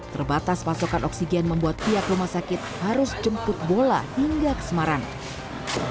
terbatas pasokan oksigen membuat pihak rumah sakit harus jemput bola hingga ke semarang